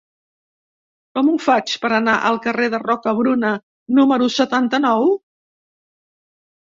Com ho faig per anar al carrer de Rocabruna número setanta-nou?